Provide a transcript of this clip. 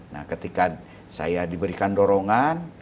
nah ketika saya diberikan dorongan